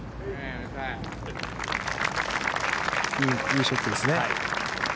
いいショットですね。